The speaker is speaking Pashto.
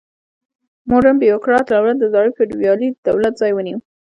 موډرن بیروکراټ دولت د زاړه فیوډالي دولت ځای ونیو.